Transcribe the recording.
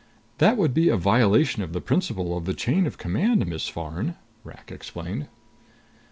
"That would be a violation of the Principle of the Chain of Command, Miss Farn!" Rak explained.